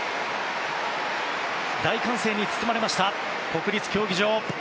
大歓声に包まれました国立競技場。